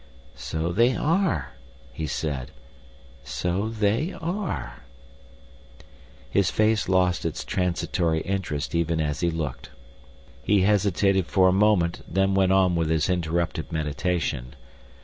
"So they are," he said, "so they are." His face lost its transitory interest even as he looked. He hesitated for a moment, then went on with his interrupted meditation.